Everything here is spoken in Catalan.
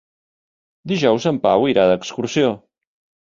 Dijous en Pau irà d'excursió.